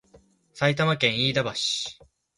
埼玉県飯田橋